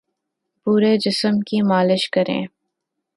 پورے جسم کی مالش کریں